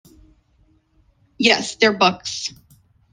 Yes, they're books.